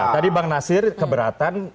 tadi bang nasir keberatan